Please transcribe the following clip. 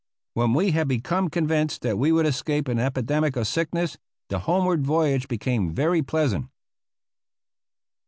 When we had become convinced that we would escape an epidemic of sickness the homeward voyage became very pleasant.